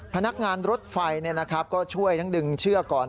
พนักงานรถไฟก็ช่วยทั้งดึงเชือกก่อน